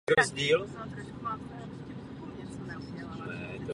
Nakonec je to tedy spotřebitel, který zaplatí přemrštěnou cenu výrobku.